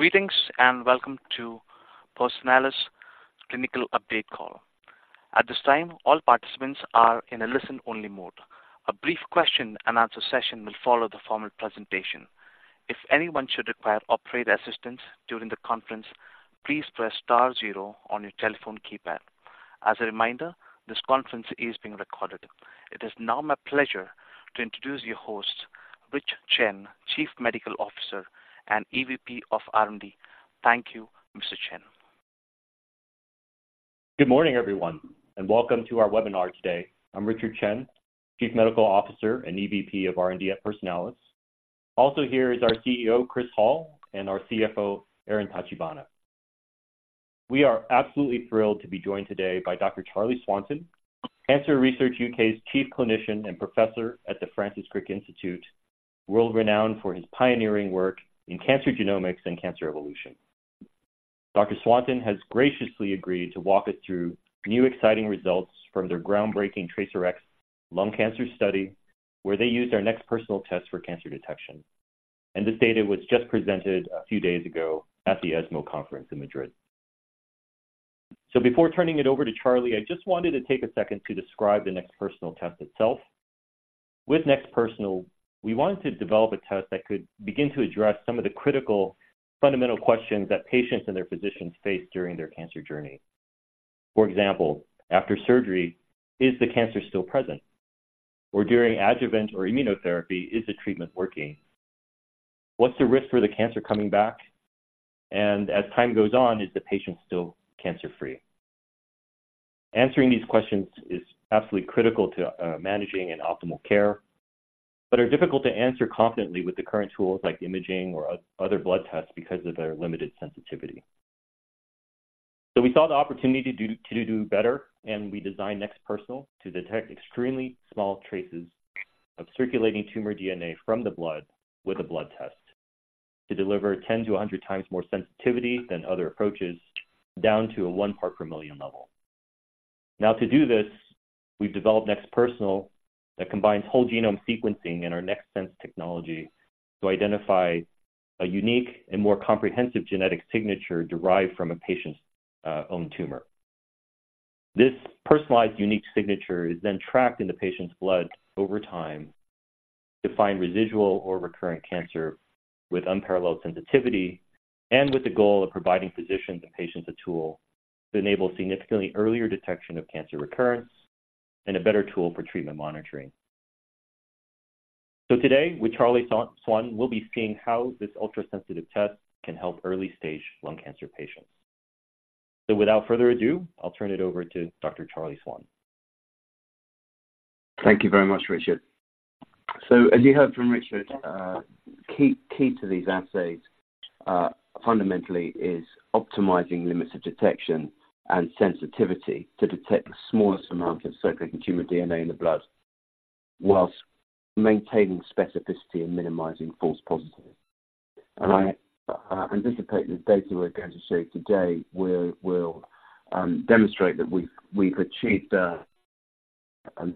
Greetings, and welcome to Personalis Clinical Update Call. At this time, all participants are in a listen-only mode. A brief question-and-answer session will follow the formal presentation. If anyone should require operator assistance during the conference, please press star zero on your telephone keypad. As a reminder, this conference is being recorded. It is now my pleasure to introduce your host, Rich Chen, Chief Medical Officer and EVP of R&D. Thank you, Mr. Chen. Good morning, everyone, and welcome to our webinar today. I'm Richard Chen, Chief Medical Officer and EVP of R&D at Personalis. Also here is our CEO, Chris Hall, and our CFO, Aaron Tachibana. We are absolutely thrilled to be joined today by Dr. Charlie Swanton, Cancer Research UK's Chief Clinician and professor at the Francis Crick Institute, world-renowned for his pioneering work in cancer genomics and cancer evolution. Dr. Swanton has graciously agreed to walk us through new, exciting results from their groundbreaking TRACERx lung cancer study, where they used our NeXT Personalis test for cancer detection. And this data was just presented a few days ago at the ESMO conference in Madrid. Before turning it over to Charlie, I just wanted to take a second to describe the NeXT Personalis test itself. With NeXT Personalis, we wanted to develop a test that could begin to address some of the critical, fundamental questions that patients and their physicians face during their cancer journey. For example, after surgery, is the cancer still present? Or during adjuvant or immunotherapy, is the treatment working? What's the risk for the cancer coming back? And as time goes on, is the patient still cancer-free? Answering these questions is absolutely critical to managing and optimal care, but are difficult to answer confidently with the current tools like imaging or other blood tests because of their limited sensitivity. So we saw the opportunity to do better, and we designed NeXT Personalis to detect extremely small traces of circulating tumor DNA from the blood with a blood test, to deliver 10-100 times more sensitivity than other approaches, down to a one part per million level. Now, to do this, we've developed NeXT Personalis that combines whole genome sequencing and our NeXT Sense technology to identify a unique and more comprehensive genetic signature derived from a patient's own tumor. This personalized unique signature is then tracked in the patient's blood over time to find residual or recurrent cancer with unparalleled sensitivity and with the goal of providing physicians and patients a tool to enable significantly earlier detection of cancer recurrence and a better tool for treatment monitoring. So today, with Charlie Swanton, we'll be seeing how this ultra-sensitive test can help early-stage lung cancer patients. So without further ado, I'll turn it over to Dr. Charlie Swanton. Thank you very much, Richard. So as you heard from Richard, key to these assays fundamentally is optimizing limits of detection and sensitivity to detect the smallest amount of circulating tumor DNA in the blood while maintaining specificity and minimizing false positives. And I anticipate the data we're going to show you today will demonstrate that we've achieved a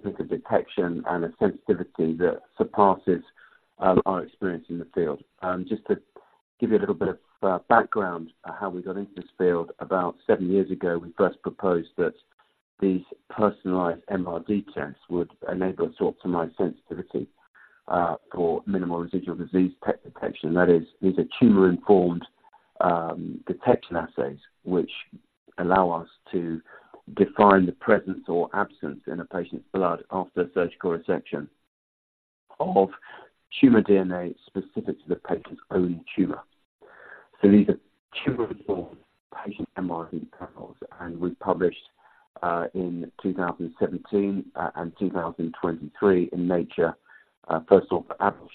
good detection and a sensitivity that surpasses our experience in the field. Just to give you a little bit of background on how we got into this field, about seven years ago, we first proposed that these personalized MRD tests would enable us to optimize sensitivity for minimal residual disease ctDNA detection. That is, these are tumor-informed detection assays, which allow us to define the presence or absence in a patient's blood after surgical resection of tumor DNA specific to the patient's own tumor. So these are tumor-informed patient MRD panels, and we published in 2017 and 2023 in Nature first off for Abbosh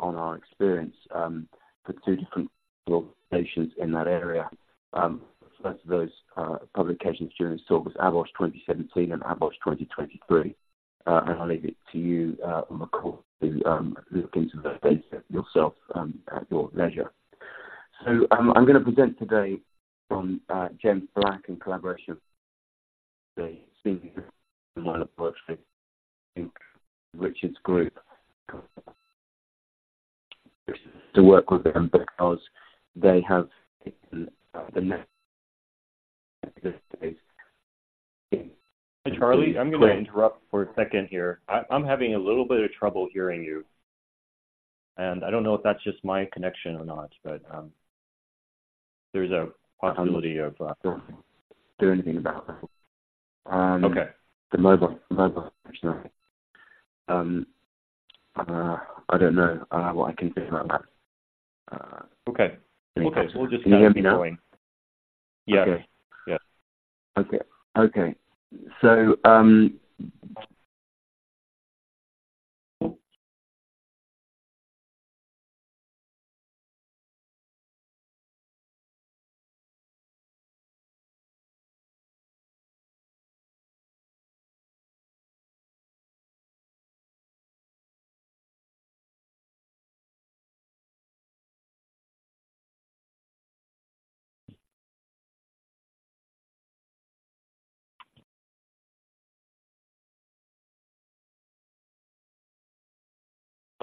on our experience for two different organizations in that area. First of those publications, Abbosh 2017 and Abbosh 2023. And I'll leave it to you on the call to look into the data set yourself at your leisure. So, I'm gonna present today from James Black in collaboration with the senior analyst, I think, Richard's group, to work with them because they have the next- Hi, Charlie, I'm gonna interrupt for a second here. I'm having a little bit of trouble hearing you, and I don't know if that's just my connection or not, but there's a possibility of- Do anything about that. Okay. I don't know what I can do about that. Okay. Can you hear me now? Yeah. Okay. Yeah. Okay. Okay. So, ...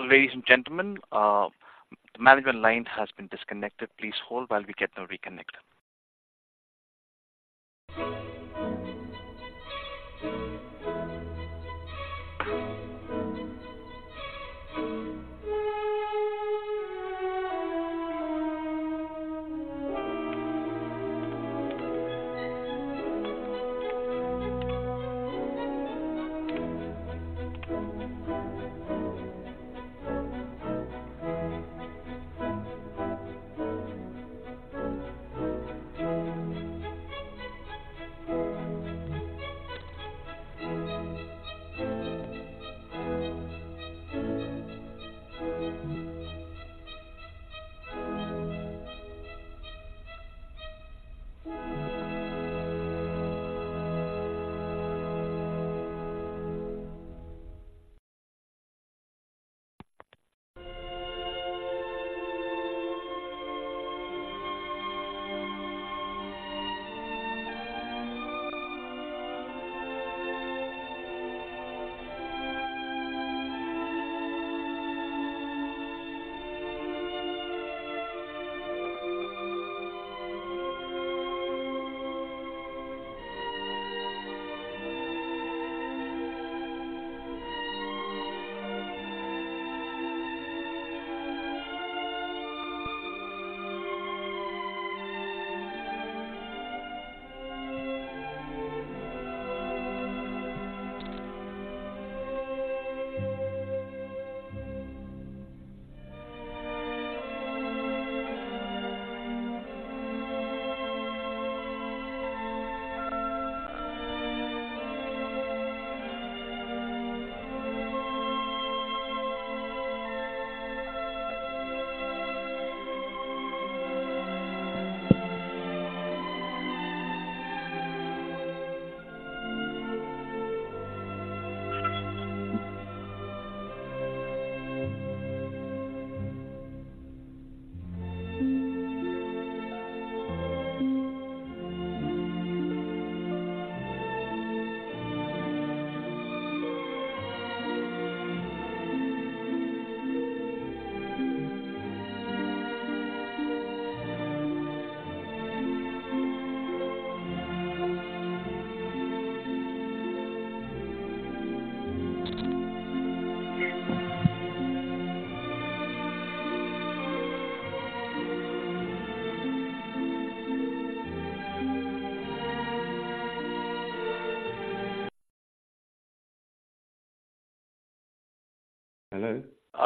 Ladies and gentlemen, the management line has been disconnected. Please hold while we get them reconnected. Hello?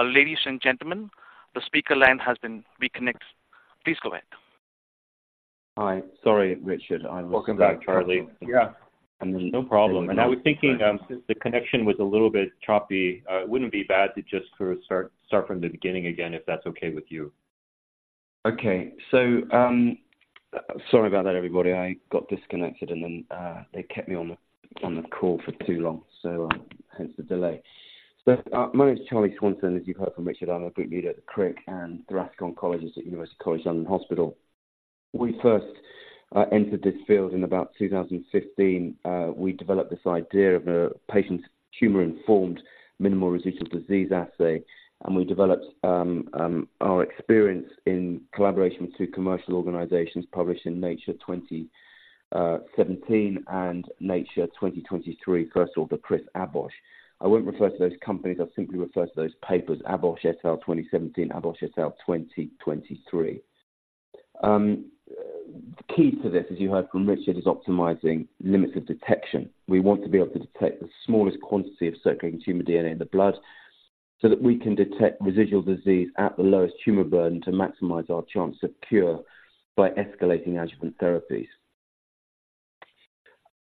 Ladies and gentlemen, the speaker line has been reconnected. Please go ahead. Hi. Sorry, Richard. I was- Welcome back, Charlie. Yeah. No problem. And I was thinking, since the connection was a little bit choppy, it wouldn't be bad to just sort of start from the beginning again, if that's okay with you. Okay. So, sorry about that, everybody. I got disconnected, and then they kept me on the call for too long, so hence the delay. So, my name is Charlie Swanton. As you heard from Richard, I'm a group leader at the Crick and Thoracic Oncologist at University College London Hospital. We first entered this field in about 2015. We developed this idea of a patient tumor-informed minimal residual disease assay, and we developed our experience in collaboration with two commercial organizations published in Nature 2017 and Nature 2023, first of all, the Chris Abbosh. I won't refer to those companies, I'll simply refer to those papers, Abbosh et al. 2017, Abbosh et al. 2023. Key to this, as you heard from Richard, is optimizing limits of detection. We want to be able to detect the smallest quantity of circulating tumor DNA in the blood so that we can detect residual disease at the lowest tumor burden to maximize our chance of cure by escalating adjuvant therapies.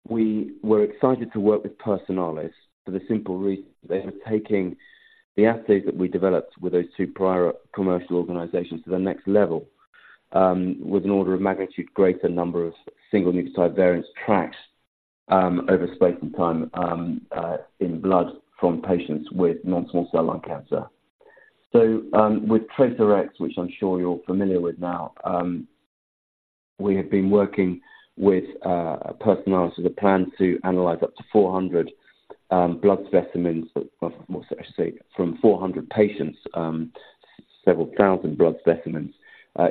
We were excited to work with Personalis for the simple reason, they were taking the assays that we developed with those two prior commercial organizations to the next level, with an order of magnitude greater number of single nucleotide variants tracked, over space and time, in blood from patients with non-small cell lung cancer. So, with TRACERx, which I'm sure you're familiar with now, we have been working with Personalis with a plan to analyze up to 400 blood specimens, but more so I should say, from 400 patients, several thousand blood specimens,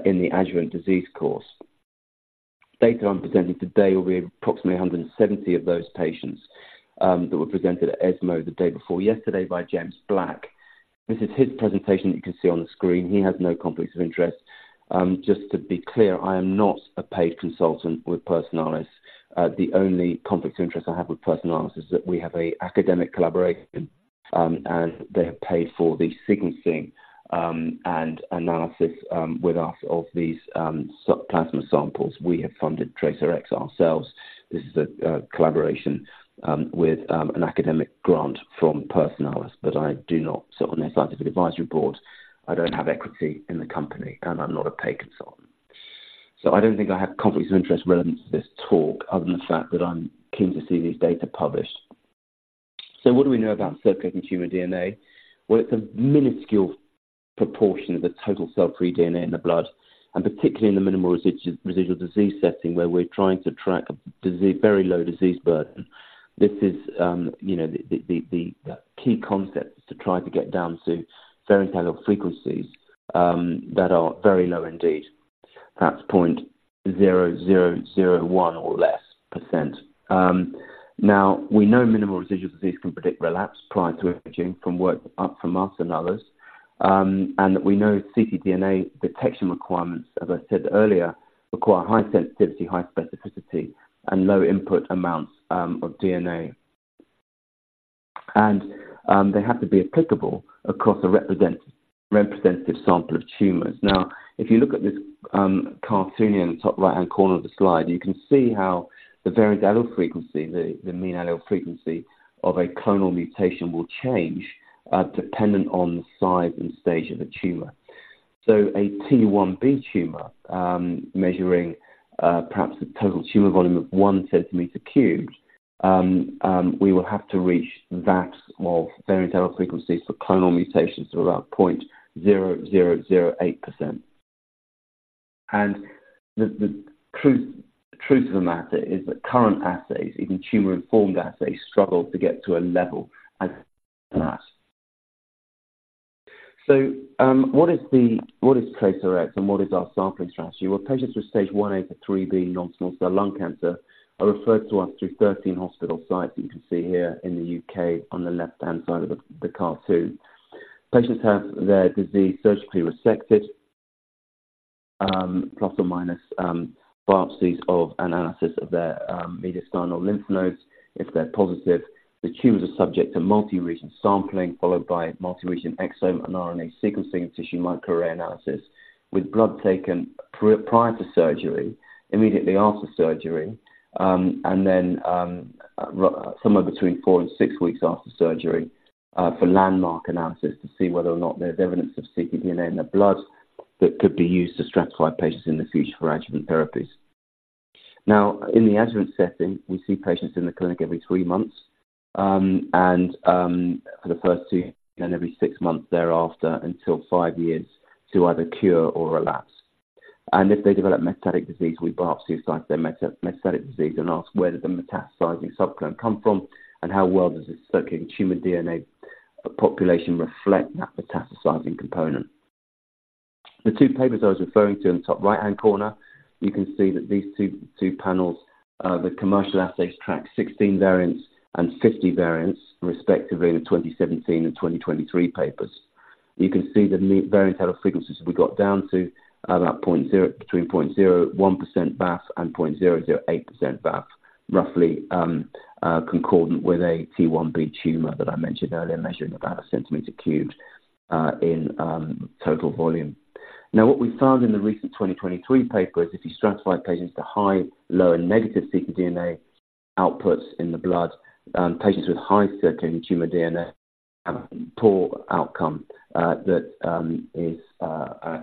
in the adjuvant disease course. Data I'm presenting today will be approximately 170 of those patients that were presented at ESMO the day before yesterday by James Black. This is his presentation that you can see on the screen. He has no conflicts of interest. Just to be clear, I am not a paid consultant with Personalis. The only conflict of interest I have with Personalis is that we have an academic collaboration, and they have paid for the sequencing and analysis with us of these sub plasma samples. We have funded TRACERx ourselves. This is a collaboration with an academic grant from Personalis, but I do not sit on their scientific advisory board. I don't have equity in the company, and I'm not a paid consultant. I don't think I have conflicts of interest relevant to this talk, other than the fact that I'm keen to see these data published. What do we know about circulating tumor DNA? Well, it's a minuscule proportion of the total cell-free DNA in the blood, and particularly in the minimal residual disease setting, where we're trying to track a disease, very low disease burden. This is, you know, the key concept is to try to get down to variant allele frequencies that are very low indeed. Perhaps 0.0001% or less. Now, we know minimal residual disease can predict relapse prior to imaging from work up from us and others. And we know ctDNA detection requirements, as I said earlier, require high sensitivity, high specificity, and low input amounts of DNA. They have to be applicable across a representative sample of tumors. Now, if you look at this cartoon here in the top right-hand corner of the slide, you can see how the variant allele frequency, the mean allele frequency of a clonal mutation, will change dependent on the size and stage of the tumor. So a T1b tumor measuring perhaps a total tumor volume of 1 centimeter cubed, we will have to reach that of variant allele frequencies for clonal mutations of about 0.0008%. And the truth of the matter is that current assays, even tumor-informed assays, struggle to get to a level as that. So, what is TRACERx, and what is our sampling strategy? Well, patients with stage 1A to 3B non-small cell lung cancer are referred to us through 13 hospital sites, that you can see here in the U.K. on the left-hand side of the cartoon. Patients have their disease surgically resected, plus or minus biopsies of analysis of their mediastinal lymph nodes. If they're positive, the tumors are subject to multi-region sampling, followed by multi-region exome and RNA sequencing, tissue microarray analysis, with blood taken prior to surgery, immediately after surgery, and then somewhere between 4 and 6 weeks after surgery, for landmark analysis, to see whether or not there's evidence of ctDNA in the blood that could be used to stratify patients in the future for adjuvant therapies. Now, in the adjuvant setting, we see patients in the clinic every three months, and, for the first two, and every six months thereafter, until five years to either cure or relapse. And if they develop metastatic disease, we biopsy their metastatic disease and ask, where did the metastasizing subclone come from? And how well does the circulating tumor DNA population reflect that metastasizing component? The two papers I was referring to in the top right-hand corner, you can see that these two panels, the commercial assays track 16 variants and 50 variants, respectively, in the 2017 and 2023 papers. You can see the variant allele frequencies we got down to are about 0.01%-0.008% VAF, roughly, concordant with a T1b tumor that I mentioned earlier, measuring about 1 cm³ in total volume. Now, what we found in the recent 2023 paper is if you stratify patients to high, low, and negative ctDNA outputs in the blood, patients with high circulating tumor DNA have poor outcome that is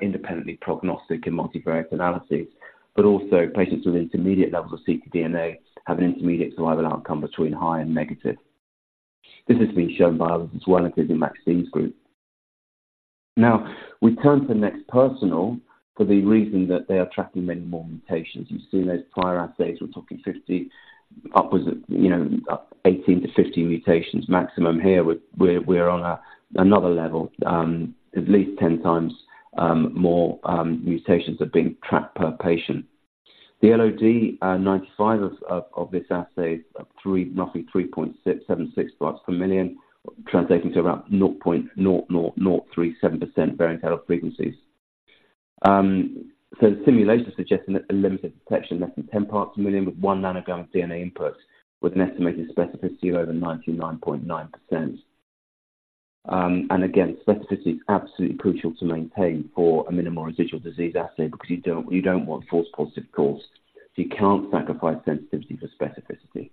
independently prognostic in multivariate analyses. But also, patients with intermediate levels of ctDNA have an intermediate survival outcome between high and negative. This has been shown by others as well, including Max Diehn's group. Now, we turn to NeXT Personalis for the reason that they are tracking many more mutations. You've seen those prior assays, we're talking 50 upwards of, you know, 18-50 mutations maximum. Here, we're on another level, at least 10 times more mutations are being tracked per patient. The LOD95 of this assay is of three, roughly 3.676 parts per million, translating to about 0.00037% variant allele frequencies. The simulation suggests a limited detection, less than 10 parts per million, with 1 nanogram of DNA input, with an estimated specificity of over 99.9%. Specificity is absolutely crucial to maintain for a minimal residual disease assay because you don't want false positive calls. You can't sacrifice sensitivity for specificity.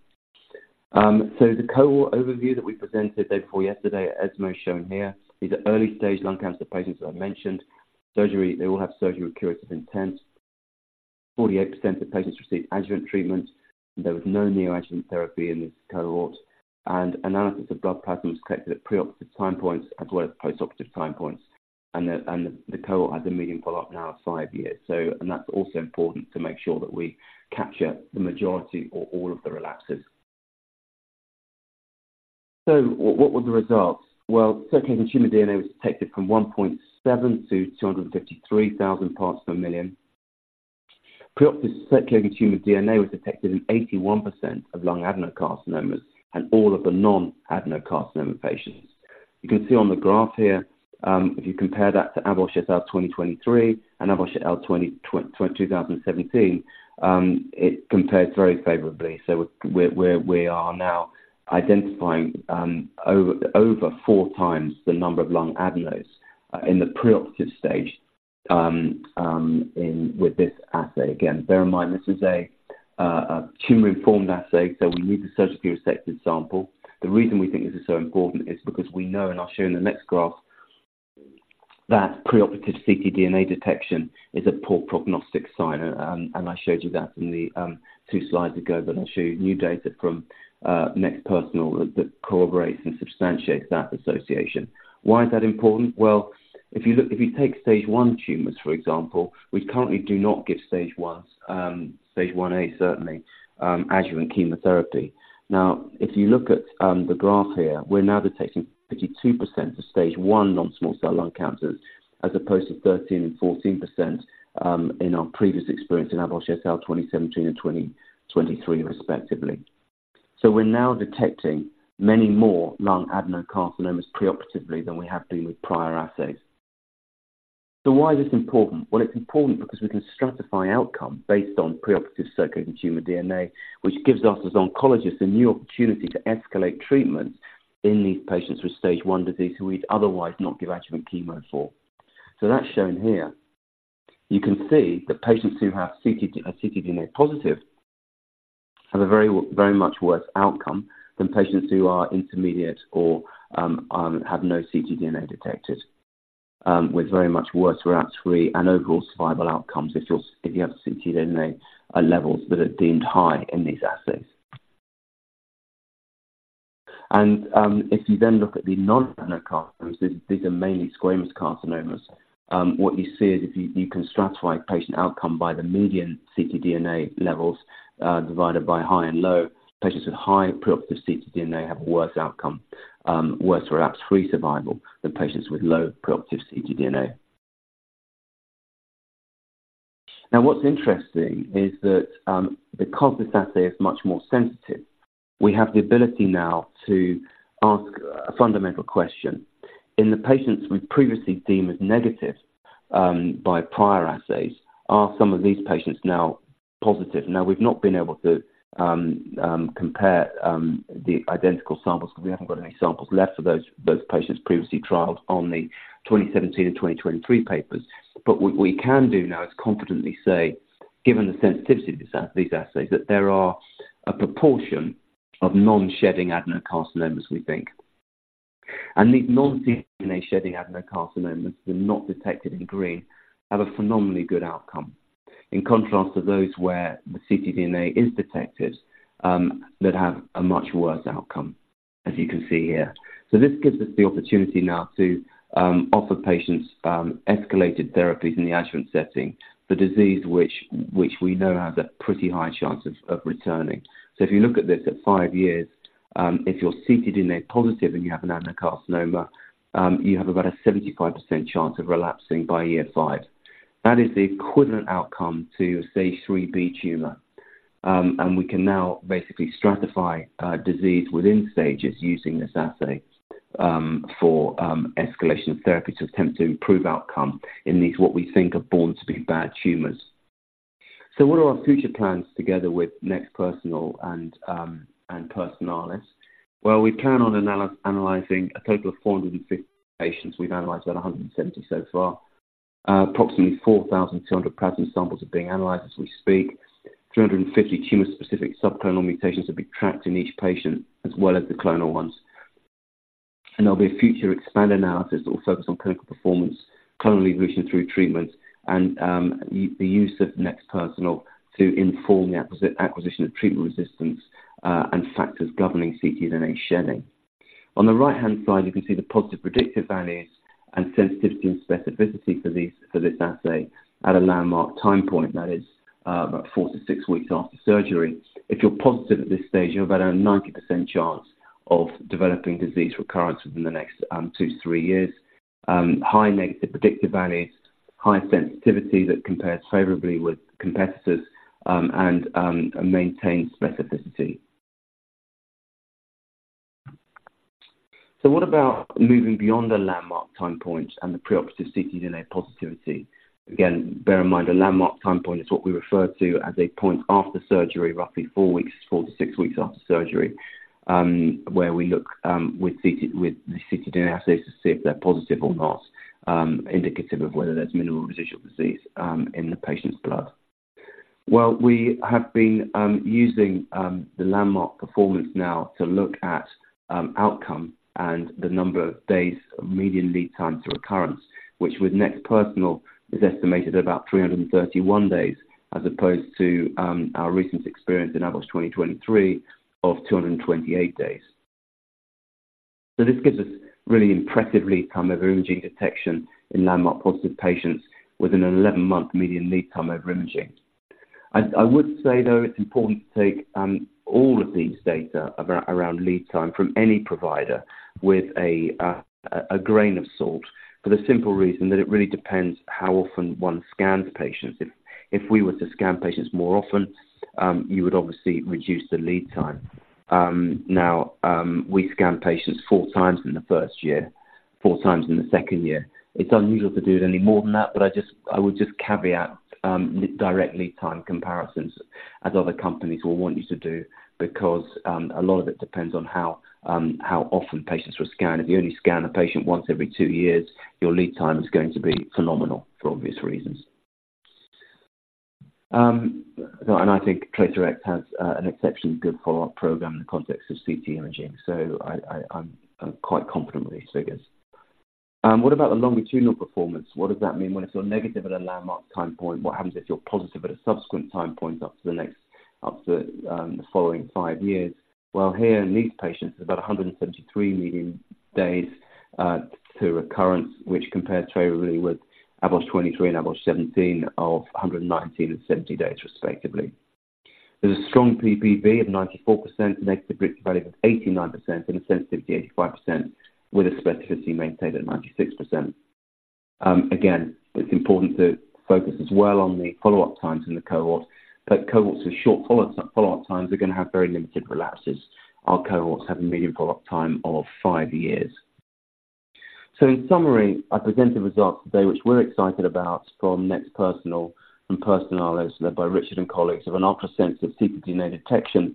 So the cohort overview that we presented the day before yesterday at ESMO, shown here, these are early-stage lung cancer patients, as I mentioned. Surgery, they all have surgery with curative intent. 48% of patients received adjuvant treatment, and there was no neoadjuvant therapy in this cohort. And analysis of blood plasma was collected at preoperative time points, as well as post-operative time points, and the cohort had a median follow-up now of five years. And that's also important to make sure that we capture the majority or all of the relapses. So what were the results? Well, circulating tumor DNA was detected from 1.7 to 253,000 parts per million. Preoperative circulating tumor DNA was detected in 81% of lung adenocarcinoma and all of the non-adenocarcinoma patients. You can see on the graph here, if you compare that to Abbosh 2023 and Abbosh 2017, it compares very favorably. So we're, we are now identifying, over four times the number of lung adenos in the preoperative stage, with this assay. Again, bear in mind, this is a tumor-informed assay, so we need the surgically resected sample. The reason we think this is so important is because we know, and I'll show you in the next graph. That preoperative ctDNA detection is a poor prognostic sign, and I showed you that in the two slides ago, but I'll show you new data from NeXT Personalis that corroborates and substantiates that association. Why is that important? Well, if you take stage 1 tumors, for example, we currently do not give stage 1s, stage 1A, certainly, adjuvant chemotherapy. Now, if you look at the graph here, we're now detecting 52% of stage 1 non-small cell lung cancers, as opposed to 13% and 14%, in our previous experience in Abbosh et al. 2017 and 2023, respectively. So we're now detecting many more lung adenocarcinomas preoperatively than we have been with prior assays. So why is this important? Well, it's important because we can stratify outcome based on preoperative circulating tumor DNA, which gives us, as oncologists, a new opportunity to escalate treatment in these patients with stage 1 disease who we'd otherwise not give adjuvant chemo for. So that's shown here. You can see that patients who have ctDNA positive have a very, very much worse outcome than patients who are intermediate or have no ctDNA detected, with very much worse relapse-free and overall survival outcomes if you have ctDNA levels that are deemed high in these assays. If you then look at the non-adenocarcinomas, these are mainly squamous carcinomas. What you see is if you can stratify patient outcome by the median ctDNA levels, divided by high and low. Patients with high preoperative ctDNA have a worse outcome, worse relapse-free survival than patients with low preoperative ctDNA. Now, what's interesting is that because this assay is much more sensitive, we have the ability now to ask a fundamental question. In the patients we've previously deemed as negative by prior assays, are some of these patients now positive? Now, we've not been able to compare the identical samples because we haven't got any samples left for those patients previously trialed on the 2017 and 2023 papers. But what we can do now is confidently say, given the sensitivity of these assays, that there are a proportion of non-shedding adenocarcinomas, we think. And these non-ctDNA-shedding adenocarcinomas, they're not detected in green, have a phenomenally good outcome, in contrast to those where the ctDNA is detected that have a much worse outcome, as you can see here. So this gives us the opportunity now to offer patients escalated therapies in the adjuvant setting for disease, which we know has a pretty high chance of returning. So if you look at this at five years, if you're ctDNA positive and you have an adenocarcinoma, you have about a 75% chance of relapsing by year five. That is the equivalent outcome to a stage IIIB tumor. And we can now basically stratify disease within stages using this assay for escalation of therapy to attempt to improve outcome in these, what we think are born to be bad tumors. So what are our future plans together with NeXT Personalis and Personalis? Well, we plan on analyzing a total of 450 patients. We've analyzed about 170 so far. Approximately 4,200 plasma samples are being analyzed as we speak. 350 tumor-specific subclonal mutations have been tracked in each patient, as well as the clonal ones. There'll be a future expanded analysis that will focus on clinical performance, clonal evolution through treatments, and the use of NeXT Personalis to inform the acquisition of treatment resistance, and factors governing ctDNA shedding. On the right-hand side, you can see the positive predictive values and sensitivity and specificity for these, for this assay at a landmark time point, that is, about four to six weeks after surgery. If you're positive at this stage, you have about a 90% chance of developing disease recurrence within the next, two to three years. High negative predictive value, high sensitivity that compares favorably with competitors, and maintained specificity. So what about moving beyond the landmark time point and the preoperative ctDNA positivity? Again, bear in mind, a landmark time point is what we refer to as a point after surgery, roughly four weeks, four to six weeks after surgery, where we look with the ctDNA assays to see if they're positive or not, indicative of whether there's minimal residual disease in the patient's blood. Well, we have been using the landmark performance now to look at outcome and the number of days of median lead time to recurrence, which with NeXT Personalis is estimated at about 331 days, as opposed to our recent experience in AVOS 2023 of 228 days. So this gives us really impressive lead time over imaging detection in landmark-positive patients with an 11-month median lead time over imaging. I would say, though, it's important to take all of these data around lead time from any provider with a grain of salt, for the simple reason that it really depends how often one scans patients. If we were to scan patients more often, you would obviously reduce the lead time. Now, we scan patients four times in the first year, four times in the second year. It's unusual to do it any more than that, but I would just caveat direct lead time comparisons as other companies will want you to do, because a lot of it depends on how often patients were scanned. If you only scan a patient once every two years, your lead time is going to be phenomenal for obvious reasons. I think TRACERx has an exceptionally good follow-up program in the context of CT imaging. So I am quite confident with these figures. What about the longitudinal performance? What does that mean when if you're negative at a landmark time point, what happens if you're positive at a subsequent time point up to the following five years? Well, here in these patients, about 173 median days to recurrence, which compares favorably with Abbosh 2023 and Abbosh 2017 of 119 and 70 days, respectively. There's a strong PPV of 94%, negative predictive value of 89%, and a sensitivity 85%, with a specificity maintained at 96%. Again, it's important to focus as well on the follow-up times in the cohort, but cohorts with short follow-up, follow-up times are going to have very limited relapses. Our cohorts have a median follow-up time of five years. So in summary, I presented results today, which we're excited about from NeXT Personalis and Personalis led by Richard and colleagues, of an ultrasensitive ctDNA detection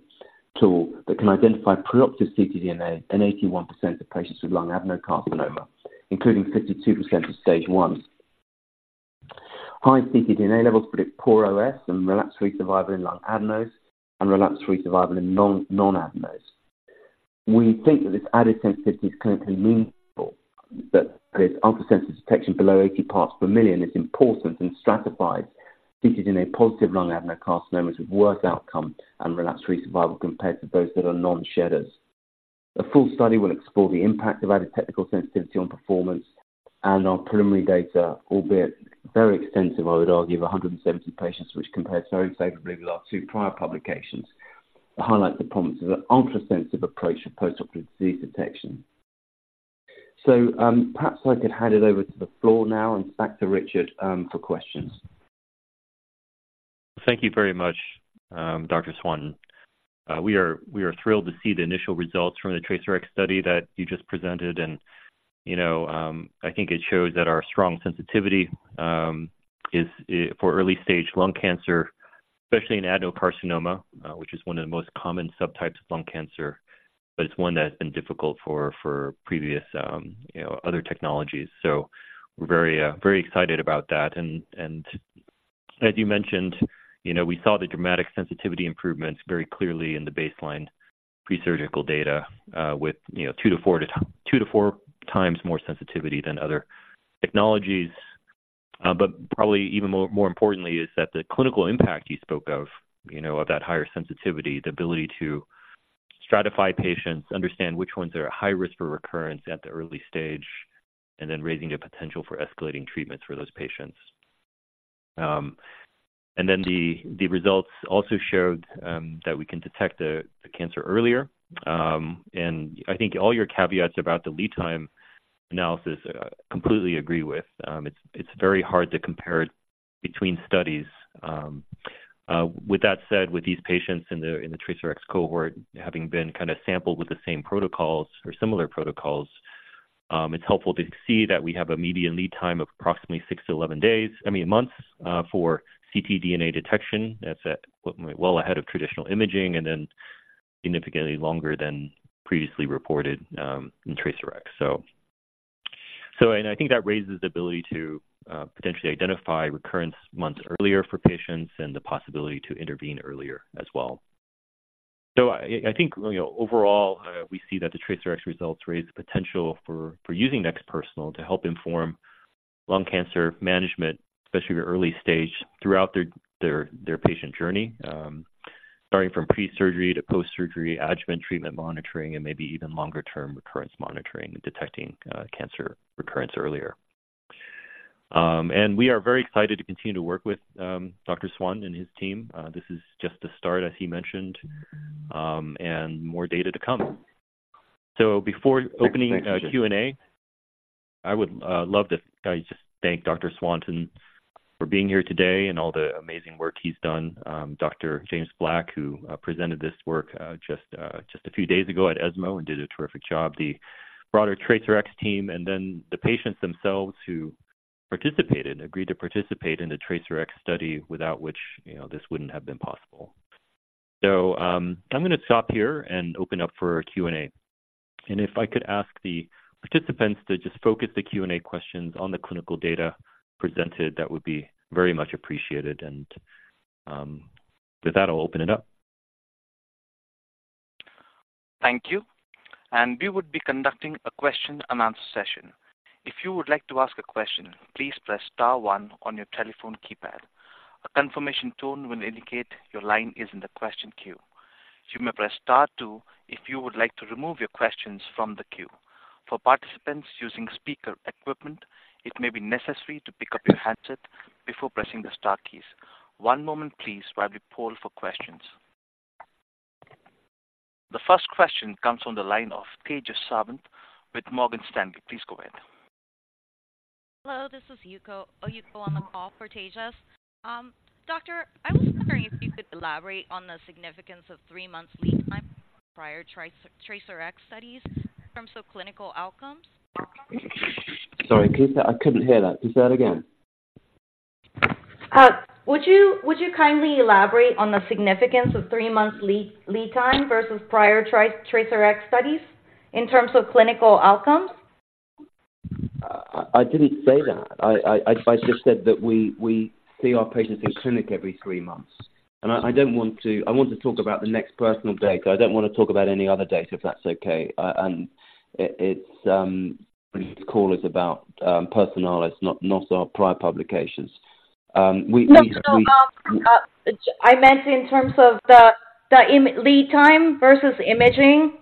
tool that can identify pre-operative ctDNA in 81% of patients with lung adenocarcinoma, including 52% of stage ones. High ctDNA levels predict poor OS and relapse-free survival in lung adenos and relapse-free survival in non, non-adenos. We think that this added sensitivity is clinically meaningful, that this ultrasensitive detection below 80 parts per million is important and stratifies ctDNA-positive lung adenocarcinomas with worse outcome and relapse-free survival compared to those that are non-shedders. A full study will explore the impact of added technical sensitivity on performance and our preliminary data, albeit very extensive, I would argue, 170 patients, which compares very favorably with our two prior publications, highlight the promise of an ultrasensitive approach of post-operative disease detection. So, perhaps I could hand it over to the floor now and back to Richard, for questions. Thank you very much, Dr. Swanton. We are thrilled to see the initial results from the TRACERx study that you just presented, and, you know, I think it shows that our strong sensitivity is for early-stage lung cancer, especially in adenocarcinoma, which is one of the most common subtypes of lung cancer, but it's one that's been difficult for previous, you know, other technologies. So we're very, very excited about that. And as you mentioned, you know, we saw the dramatic sensitivity improvements very clearly in the baseline presurgical data, with you know, 2-4 times more sensitivity than other technologies. But probably even more importantly is that the clinical impact you spoke of, you know, of that higher sensitivity, the ability to stratify patients, understand which ones are at high risk for recurrence at the early stage, and then raising the potential for escalating treatments for those patients. Then the results also showed that we can detect the cancer earlier. I think all your caveats about the lead time analysis completely agree with. It's very hard to compare it between studies. With that said, with these patients in the TRACERx cohort having been kind of sampled with the same protocols or similar protocols, it's helpful to see that we have a median lead time of approximately 6 days-11 days, I mean, months, for ctDNA detection. That's at, well ahead of traditional imaging and then significantly longer than previously reported in TRACERx. So and I think that raises the ability to potentially identify recurrence months earlier for patients and the possibility to intervene earlier as well. So I think, you know, overall, we see that the TRACERx results raise the potential for using NeXT Personalis to help inform lung cancer management, especially the early stage, throughout their patient journey, starting from pre-surgery to post-surgery, adjuvant treatment monitoring, and maybe even longer-term recurrence monitoring and detecting cancer recurrence earlier. And we are very excited to continue to work with Dr. Swanton and his team. This is just the start, as he mentioned, and more data to come. So before opening Q&A, I would love to just thank Dr. Swanton for being here today and all the amazing work he's done. Dr. James Black, who presented this work just a few days ago at ESMO and did a terrific job, the broader TRACERx team, and then the patients themselves who participated, agreed to participate in the TRACERx study, without which, you know, this wouldn't have been possible. So, I'm going to stop here and open up for Q&A. And if I could ask the participants to just focus the Q&A questions on the clinical data presented, that would be very much appreciated. And, with that, I'll open it up. Thank you. We would be conducting a question-and-answer session. If you would like to ask a question, please press star one on your telephone keypad. A confirmation tone will indicate your line is in the question queue. You may press star two if you would like to remove your questions from the queue. For participants using speaker equipment, it may be necessary to pick up your handset before pressing the star keys. One moment please, while we poll for questions. The first question comes from the line of Tejas Savant with Morgan Stanley. Please go ahead. Hello, this is Yuko Oku on the call for Tejas. Doctor, I was wondering if you could elaborate on the significance of three-month lead time prior TRACERx studies in terms of clinical outcomes? Sorry, can you say... I couldn't hear that. Just say that again. Would you kindly elaborate on the significance of three-month lead time versus prior TRACERx studies in terms of clinical outcomes? I didn't say that. I just said that we see our patients in clinic every three months, and I don't want to - I want to talk about the NeXT Personalis data. I don't want to talk about any other data, if that's okay. And it's this call is about Personalis, not our prior publications. We - No, no, I meant in terms of the, the lead time versus imaging.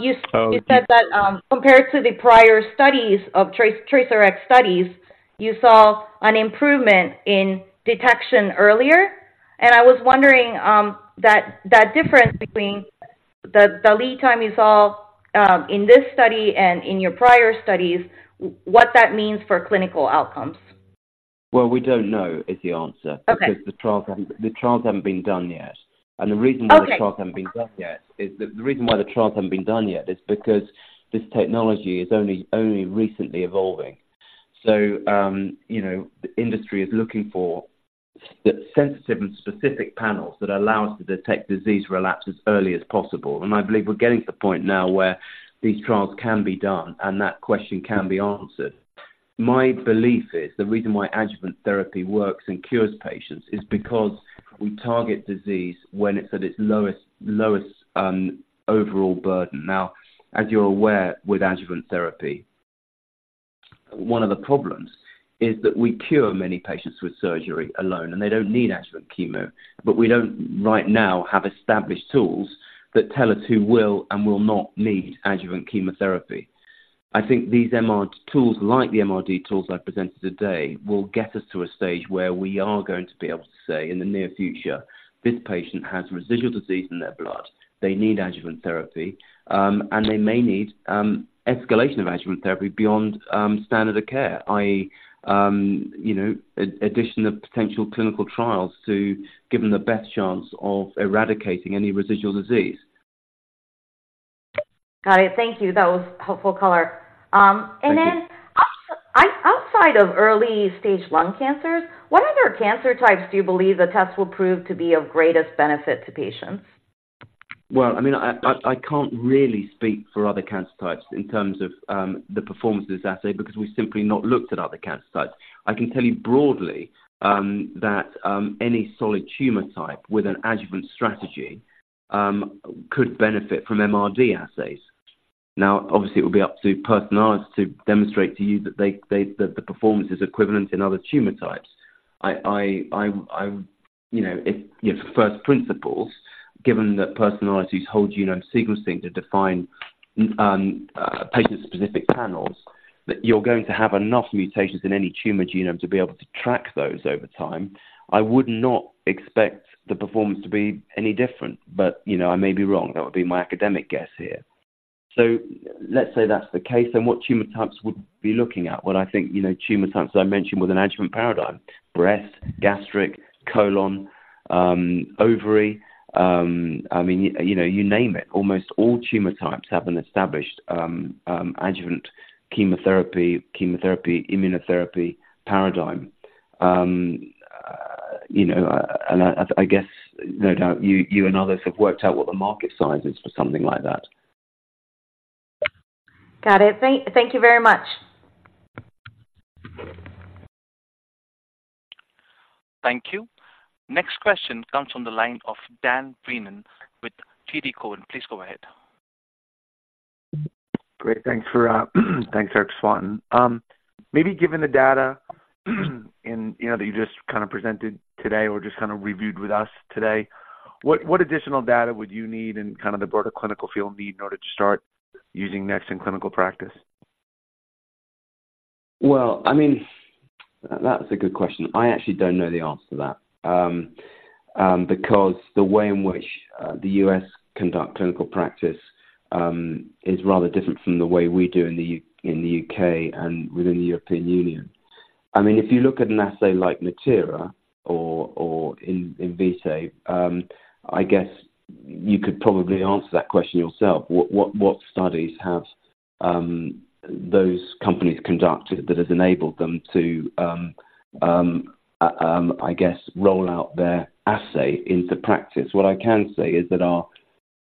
You- Oh. You said that, compared to the prior studies of TRACERx studies, you saw an improvement in detection earlier, and I was wondering, that, that difference between the, the lead time you saw, in this study and in your prior studies, what that means for clinical outcomes? Well, we don't know is the answer. Okay. Because the trials haven't been done yet. Okay. The reason why the trials haven't been done yet is because this technology is only, only recently evolving. So, you know, the industry is looking for the sensitive and specific panels that allow us to detect disease relapse as early as possible. And I believe we're getting to the point now where these trials can be done, and that question can be answered. My belief is the reason why adjuvant therapy works and cures patients is because we target disease when it's at its lowest, lowest overall burden. Now, as you're aware, with adjuvant therapy, one of the problems is that we cure many patients with surgery alone, and they don't need adjuvant chemo. But we don't right now have established tools that tell us who will and will not need adjuvant chemotherapy. I think these MR tools, like the MRD tools I presented today, will get us to a stage where we are going to be able to say, in the near future, this patient has residual disease in their blood. They need adjuvant therapy, and they may need escalation of adjuvant therapy beyond standard of care, i.e., you know, addition of potential clinical trials to give them the best chance of eradicating any residual disease. Got it. Thank you. That was helpful color. Thank you. And then outside of early-stage lung cancers, what other cancer types do you believe the test will prove to be of greatest benefit to patients? Well, I mean, I can't really speak for other cancer types in terms of the performance of this assay because we've simply not looked at other cancer types. I can tell you broadly that any solid tumor type with an adjuvant strategy could benefit from MRD assays. Now, obviously, it will be up to Personalis to demonstrate to you that the performance is equivalent in other tumor types. You know, if you know, first principles, given that Personalis use whole genome sequencing to define patient-specific panels, that you're going to have enough mutations in any tumor genome to be able to track those over time, I would not expect the performance to be any different. But, you know, I may be wrong. That would be my academic guess here. So let's say that's the case, then what tumor types would be looking at? Well, I think, you know, tumor types, as I mentioned, with an adjuvant paradigm: breast, gastric, colon, ovary. I mean, you know, you name it. Almost all tumor types have an established, adjuvant chemotherapy, immunotherapy paradigm. You know, and I guess no doubt you and others have worked out what the market size is for something like that. Got it. Thank you very much. Thank you. Next question comes from the line of Dan Freeman with TD Cowen. Please go ahead. Great. Thanks for, thanks, Charles Swanton. Maybe given the data, and, you know, that you just kind of presented today or just kind of reviewed with us today, what, what additional data would you need and kind of the broader clinical field need in order to start using NeXT in clinical practice? Well, I mean, that's a good question. I actually don't know the answer to that. Because the way in which the U.S. conduct clinical practice is rather different from the way we do in the U.K. and within the European Union. I mean, if you look at an assay like Natera or Invitae, I guess you could probably answer that question yourself. What studies have those companies conducted that has enabled them to, I guess, roll out their assay into practice? What I can say is that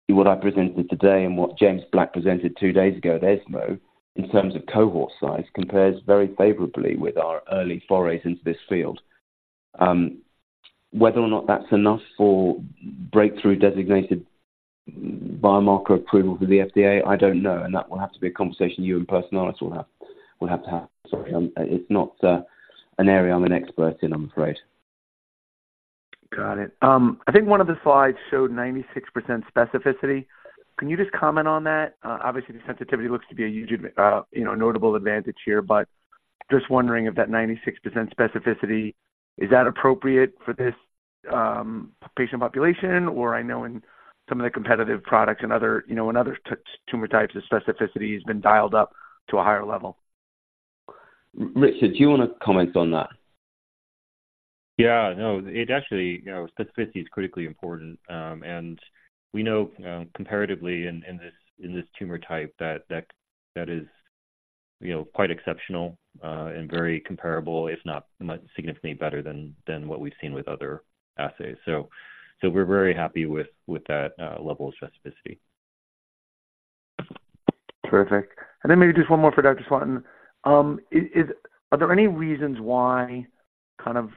what I presented today and what James Black presented two days ago at ESMO, in terms of cohort size, compares very favorably with our early forays into this field. Whether or not that's enough for breakthrough designated biomarker approval through the FDA, I don't know, and that will have to be a conversation you and Personalis will have to have. Sorry, it's not an area I'm an expert in, I'm afraid. Got it. I think one of the slides showed 96% specificity. Can you just comment on that? Obviously, the sensitivity looks to be a huge, you know, notable advantage here, but just wondering if that 96% specificity is appropriate for this patient population, or I know in some of the competitive products and other, you know, in other tumor types, the specificity has been dialed up to a higher level. Richard, do you want to comment on that? Yeah, no, it actually, you know, specificity is critically important, and we know, comparatively in this tumor type, that is, you know, quite exceptional, and very comparable, if not much significantly better than what we've seen with other assays. So we're very happy with that level of specificity. Terrific. And then maybe just one more for Dr. Swanton. Is, are there any reasons why kind of,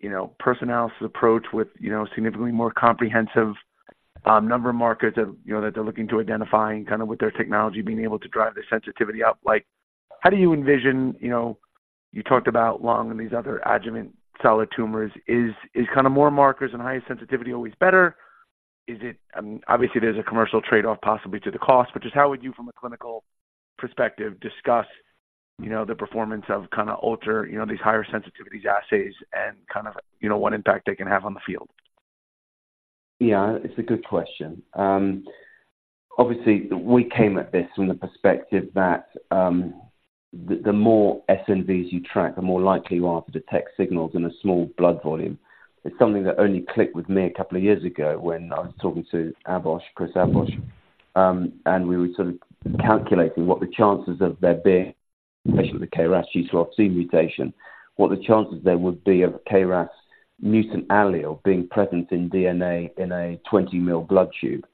you know, Personalis's approach with, you know, significantly more comprehensive, number of markers of, you know, that they're looking to identifying kind of with their technology, being able to drive the sensitivity up? Like, how do you envision, you know, you talked about lung and these other adjuvant solid tumors. Is kind of more markers and higher sensitivity always better? Is it... Obviously, there's a commercial trade-off possibly to the cost, but just how would you, from a clinical perspective, discuss, you know, the performance of kind of ultra, you know, these higher sensitivities assays and kind of, you know, what impact they can have on the field? Yeah, it's a good question. Obviously, we came at this from the perspective that the more SNVs you track, the more likely you are to detect signals in a small blood volume. It's something that only clicked with me a couple of years ago when I was talking to Abbosh, Chris Abbosh, and we were sort of calculating what the chances of there being a patient with a KRAS G12C mutation, what the chances there would be of KRAS mutant allele being present in DNA in a 20 ml blood tube,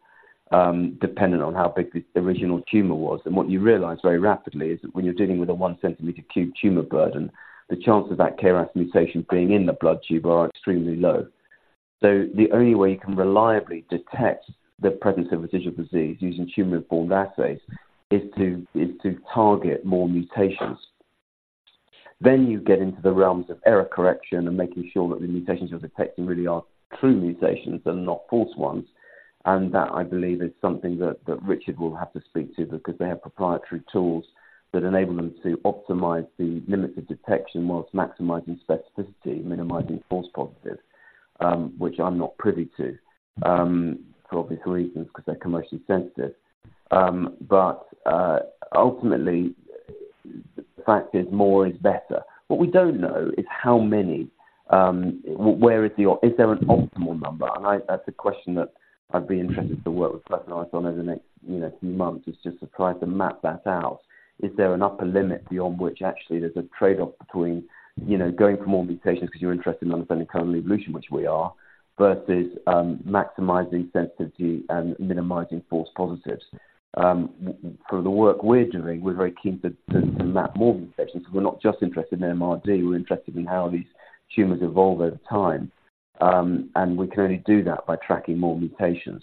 dependent on how big the original tumor was. And what you realize very rapidly is that when you're dealing with a 1 cm³ tumor burden, the chance of that KRAS mutation being in the blood tube are extremely low. So the only way you can reliably detect the presence of a digital disease using tumor-informed assays is to target more mutations. Then you get into the realms of error correction and making sure that the mutations you're detecting really are true mutations and not false ones. And that, I believe, is something that Richard will have to speak to because they have proprietary tools that enable them to optimize the limits of detection while maximizing specificity, minimizing false positives, which I'm not privy to, for obvious reasons, because they're commercially sensitive. But ultimately, the fact is more is better. What we don't know is how many, is there an optimal number? And that's a question that I'd be interested to work with Personalis on over the next, you know, few months, is just to try to map that out. Is there an upper limit beyond which actually there's a trade-off between, you know, going from more mutations, because you're interested in understanding current evolution, which we are, versus maximizing sensitivity and minimizing false positives. For the work we're doing, we're very keen to map more mutations. We're not just interested in MRD, we're interested in how these tumors evolve over time. And we can only do that by tracking more mutations.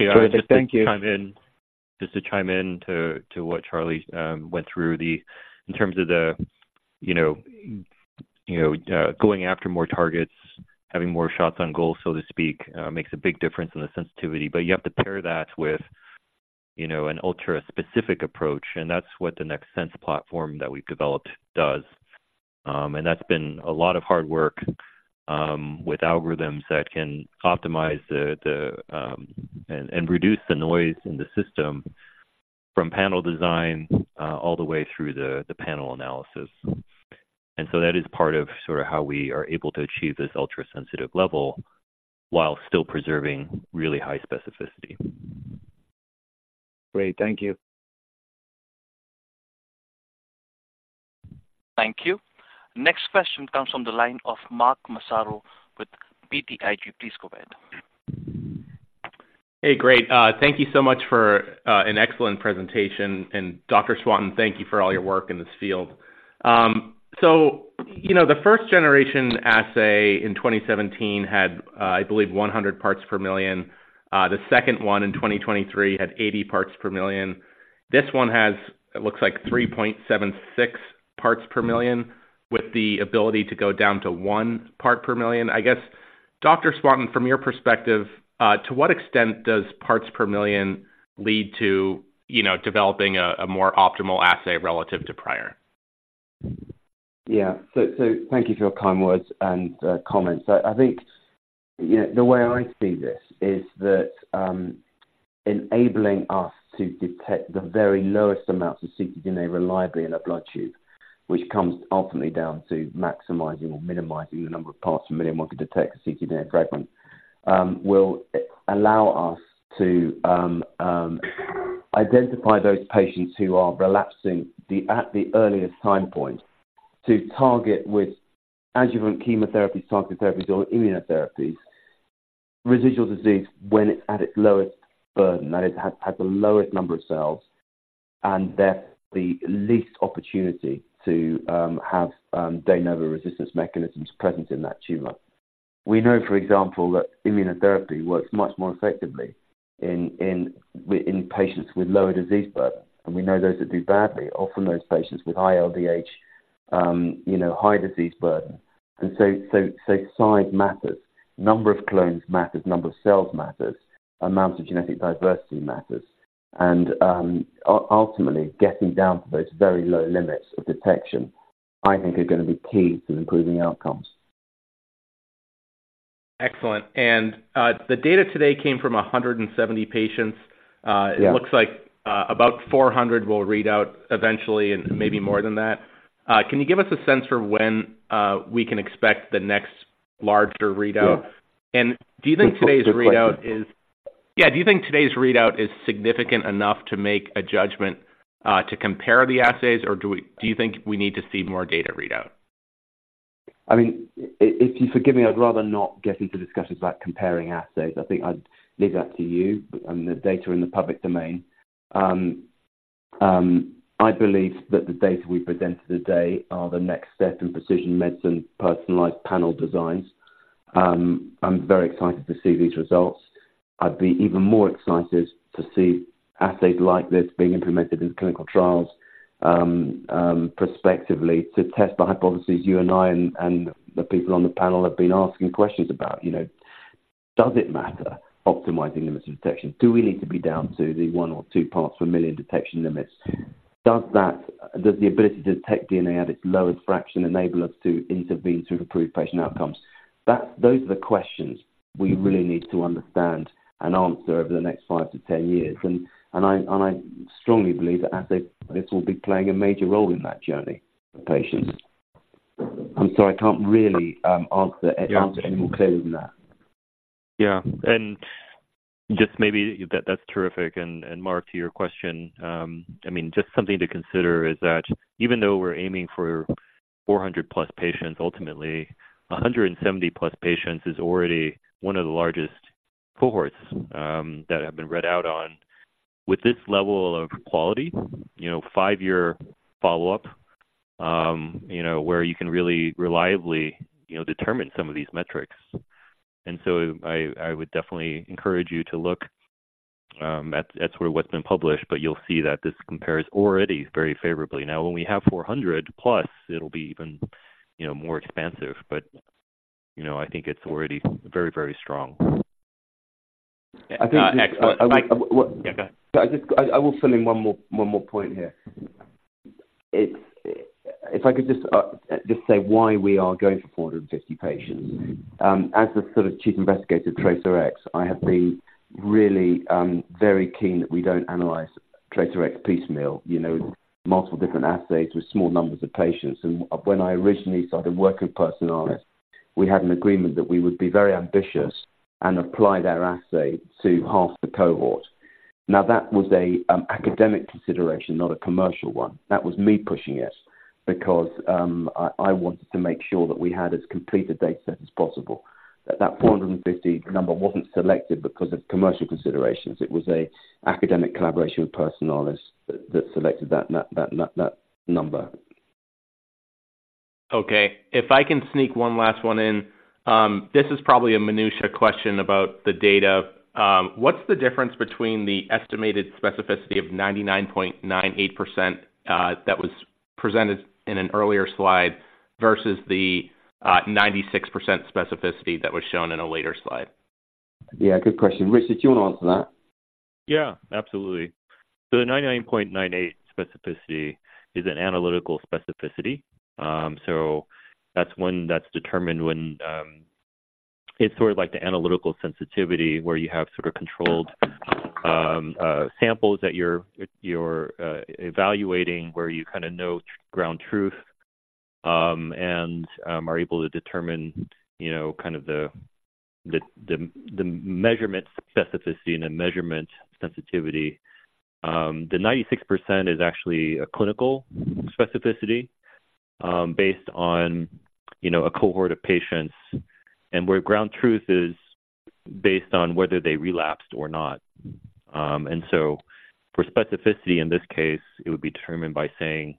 Yeah. Thank you. Just to chime in to what Charlie went through. In terms of the, you know, going after more targets, having more shots on goal, so to speak, makes a big difference in the sensitivity, but you have to pair that with, you know, an ultra-specific approach, and that's what the NeXT Sense platform that we've developed does. And that's been a lot of hard work with algorithms that can optimize and reduce the noise in the system from panel design all the way through the panel analysis. And so that is part of sort of how we are able to achieve this ultra-sensitive level while still preserving really high specificity. Great. Thank you. Thank you. Next question comes from the line of Mark Massaro with BTIG. Please go ahead. Hey, great. Thank you so much for, an excellent presentation, and Dr. Swanton, thank you for all your work in this field. So you know, the first generation assay in 2017 had, I believe, 100 parts per million. The second one in 2023 had 80 parts per million. This one has, it looks like 3.76 parts per million, with the ability to go down to 1 part per million. I guess, Dr. Swanton, from your perspective, to what extent does parts per million lead to, you know, developing a more optimal assay relative to prior? Yeah. So thank you for your kind words and comments. I think, you know, the way I see this is that, enabling us to detect the very lowest amounts of ctDNA reliably in a blood tube, which comes ultimately down to maximizing or minimizing the number of parts per million one could detect a ctDNA fragment, will allow us to identify those patients who are relapsing at the earliest time point to target with adjuvant chemotherapy, targeted therapies, or immunotherapies. Residual disease when it's at its lowest burden, that is, at the lowest number of cells, and therefore, the least opportunity to have de novo resistance mechanisms present in that tumor. We know, for example, that immunotherapy works much more effectively in patients with lower disease burden, and we know those that do badly, often those patients with high LDH, you know, high disease burden. And ultimately, getting down to those very low limits of detection, I think are gonna be key to improving outcomes. Excellent. The data today came from 170 patients. Yeah. It looks like about 400 will read out eventually and maybe more than that. Can you give us a sense for when we can expect the next larger readout? Yeah. Do you think- Good question. Yeah, do you think today's readout is significant enough to make a judgment to compare the assays, or do we, do you think we need to see more data readout? I mean, if you forgive me, I'd rather not get into discussions about comparing assays. I think I'd leave that to you and the data in the public domain. I believe that the data we presented today are the next step in precision medicine, personalized panel designs. I'm very excited to see these results. I'd be even more excited to see assays like this being implemented in clinical trials, prospectively, to test the hypotheses you and I and, and the people on the panel have been asking questions about. You know, does it matter, optimizing limits of detection? Do we need to be down to the 1 or 2 parts per million detection limits? Does that— Does the ability to detect DNA at its lowest fraction enable us to intervene to improve patient outcomes? That, those are the questions we really need to understand and answer over the next 5-10 years, and I strongly believe that this assay will be playing a major role in that journey for patients. I'm sorry, I can't really answer any more clearly than that. Yeah. And just maybe that, that's terrific. And Mark, to your question, I mean, just something to consider is that even though we're aiming for 400+ patients, ultimately, 170+ patients is already one of the largest cohorts that have been read out on with this level of quality, you know, five-year follow-up, you know, where you can really reliably, you know, determine some of these metrics. And so I would definitely encourage you to look at sort of what's been published, but you'll see that this compares already very favorably. Now, when we have 400+, it'll be even, you know, more expansive, but, you know, I think it's already very, very strong. I think- Excellent. Yeah, go ahead. I will fill in one more point here. It's if I could just say why we are going for 450 patients. As the sort of chief investigator of TRACERx, I have been really very keen that we don't analyze TRACERx piecemeal, you know, multiple different assays with small numbers of patients. When I originally started working with Personalis, we had an agreement that we would be very ambitious and apply their assay to half the cohort. Now, that was an academic consideration, not a commercial one. That 450 number wasn't selected because of commercial considerations. It was an academic collaboration with Personalis that number. Okay. If I can sneak one last one in. This is probably a minutiae question about the data. What's the difference between the estimated specificity of 99.98%, that was presented in an earlier slide versus the 96% specificity that was shown in a later slide? Yeah, good question. Richard, do you want to answer that? Yeah, absolutely. So the 99.98% specificity is an analytical specificity. So that's when... That's determined when, it's sort of like the analytical sensitivity, where you have sort of controlled samples that you're evaluating, where you kind of know ground truth, and are able to determine, you know, kind of the measurement specificity and the measurement sensitivity. The 96% is actually a clinical specificity, based on, you know, a cohort of patients and where ground truth is based on whether they relapsed or not. And so for specificity, in this case, it would be determined by saying,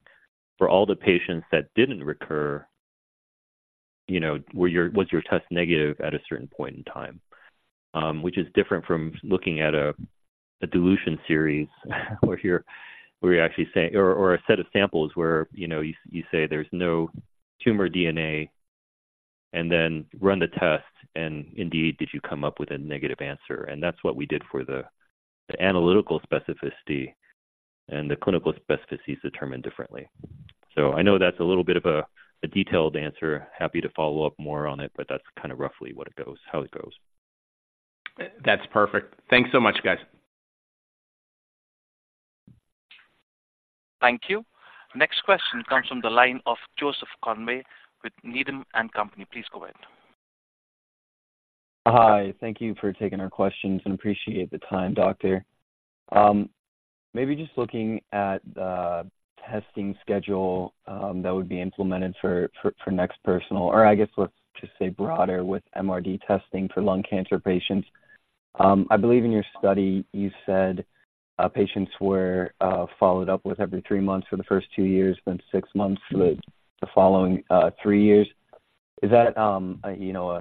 for all the patients that didn't recur, you know, was your test negative at a certain point in time? Which is different from looking at a dilution series, where you're actually saying—or a set of samples where, you know, you say there's no tumor DNA, and then run the test, and indeed, did you come up with a negative answer? And that's what we did for the analytical specificity, and the clinical specificity is determined differently. So I know that's a little bit of a detailed answer. Happy to follow up more on it, but that's kind of roughly what it goes, how it goes. That's perfect. Thanks so much, guys. Thank you. Next question comes from the line of Joseph Conway with Needham and Company. Please go ahead. Hi, thank you for taking our questions and appreciate the time, Doctor. Maybe just looking at the testing schedule that would be implemented for NeXT Personalis, or I guess let's just say broader with MRD testing for lung cancer patients. I believe in your study, you said patients were followed up with every three months for the first two years, then six months for the following three years. Is that you know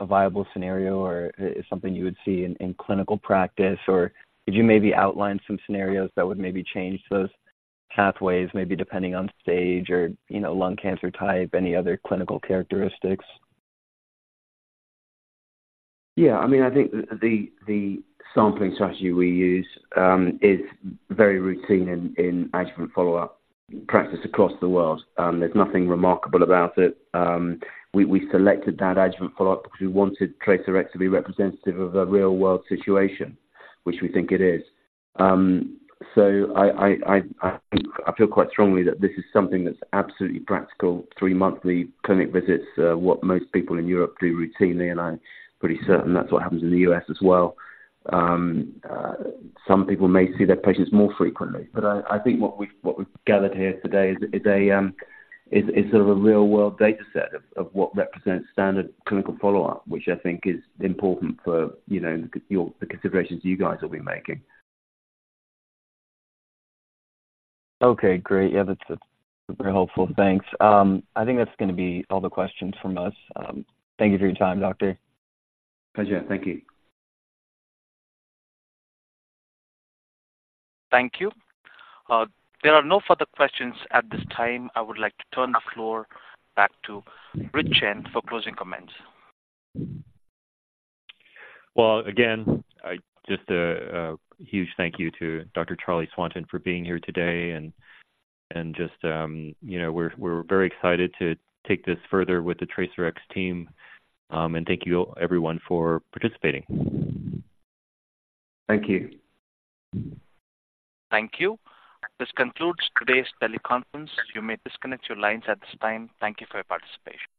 a viable scenario or is something you would see in clinical practice, or could you maybe outline some scenarios that would maybe change those pathways, maybe depending on stage or you know lung cancer type, any other clinical characteristics? Yeah, I mean, I think the sampling strategy we use is very routine in adjuvant follow-up practice across the world. There's nothing remarkable about it. We selected that adjuvant follow-up because we wanted TRACERx to be representative of a real-world situation, which we think it is. So I think I feel quite strongly that this is something that's absolutely practical. Three monthly clinic visits are what most people in Europe do routinely, and I'm pretty certain that's what happens in the U.S. as well. Some people may see their patients more frequently, but I think what we've gathered here today is a sort of a real-world data set of what represents standard clinical follow-up, which I think is important for, you know, your the considerations you guys will be making. Okay, great. Yeah, that's, that's super helpful. Thanks. I think that's going to be all the questions from us. Thank you for your time, Doctor. Pleasure. Thank you. Thank you. There are no further questions at this time. I would like to turn the floor back to Rich Chen for closing comments. Well, again, I just a huge thank you to Dr. Charlie Swanton for being here today and just, you know, we're very excited to take this further with the TRACERx team, and thank you, everyone, for participating. Thank you. Thank you. This concludes today's teleconference. You may disconnect your lines at this time. Thank you for your participation.